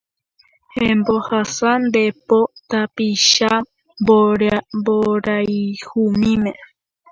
Embohasa nde po tapicha mboriahumíme